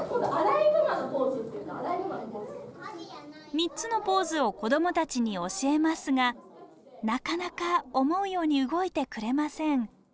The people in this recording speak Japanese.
３つのポーズを子どもたちに教えますがなかなか思うように動いてくれません。